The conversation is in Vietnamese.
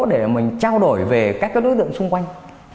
để mình trao đổi về các đối tượng xung quanh